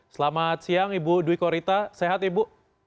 selamat siang ibu dwi korita sehat ibu